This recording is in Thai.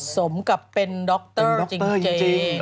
สมกับเป็นด็อกเตอร์จริง